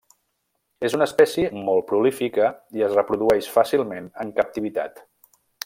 És una espècie molt prolífica i es reprodueix fàcilment en captivitat.